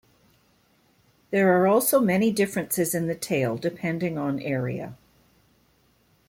There are also many differences in the tale depending on area.